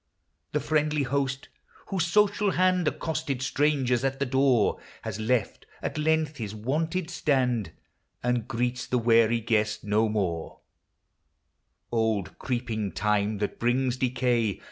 The friendly Host, whose social hand Accosted strangers at the door, Has left at length his wonted stand, And greets the weary guest no more Old creeping Time, that brings decay.